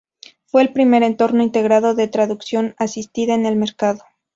Fue el primer entorno integrado de traducción asistida en el mercado.